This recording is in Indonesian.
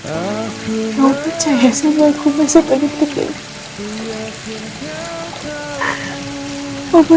aku percaya sama aku masa tadi petiknya